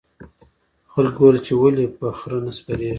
خلکو وویل چې ولې په خره نه سپریږې.